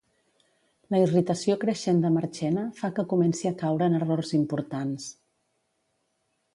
La irritació creixent de Marchena fa que comenci a caure en errors importants.